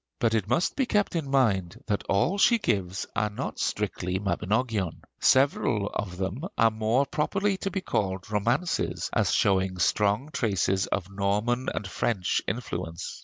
But it must be kept in mind that all she gives are not strictly 'Mabinogion'; several of them are more properly to be called romances, as showing strong traces of Norman and French influence.